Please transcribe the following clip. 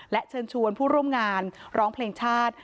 และเชิญชวนผู้ร่วมงานร้องเพลงชาติ